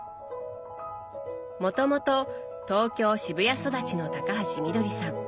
もともと東京渋谷育ちの高橋みどりさん。